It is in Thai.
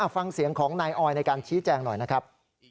ฟังเสียงของนายออยในการชี้แจงหน่อยนะครับ